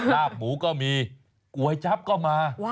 ลาบหมูก็มีก๋วยจั๊บก็มา